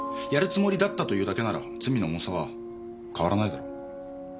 やるつもりだったというだけなら罪の重さは変わらないだろう。